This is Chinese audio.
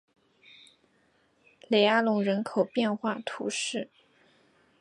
雷阿隆人口变化图示